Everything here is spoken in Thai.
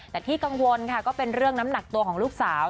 แต่ที่กังวลค่ะก็เป็นเรื่องน้ำหนักตัวของลูกสาว